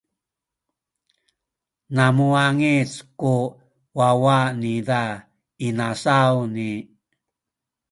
na muwangic ku wawa niza inasawni.